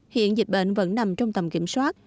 hiện dịch bệnh vẫn nằm trong tầm kiểm soát